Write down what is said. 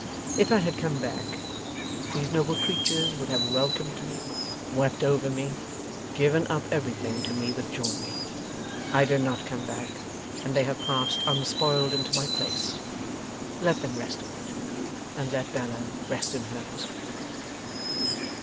If I had come back, these noble creatures would have welcomed me, wept over me, given up everything to me with joy. I did not come back, and they have passed unspoiled into my place. Let them rest in it, and let Bella rest in hers.